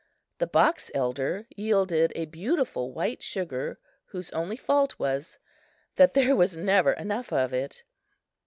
The box elder yielded a beautiful white sugar, whose only fault was that there was never enough of it!